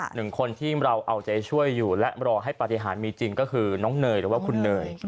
หนึ่งคนที่เราเอาใจช่วยอยู่และรอให้ปฏิหารมีจริงก็คือน้องเนยหรือว่าคุณเนย